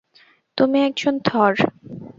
তুমি একজন থর।